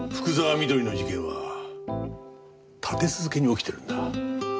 美登里の事件は立て続けに起きてるんだ。